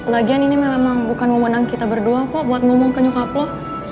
lagian ini memang bukan memenang kita berdua kok buat ngomong ke new kaplo